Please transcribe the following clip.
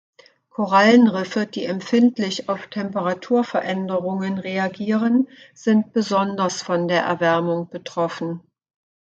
Korallenriffe, die empfindlich auf Temperaturveränderungen reagieren, sind besonders von der Erwärmung betroffen.